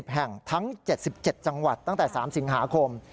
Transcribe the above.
แห่งทั้ง๗๗จังหวัดตั้งแต่๓สิงหาคม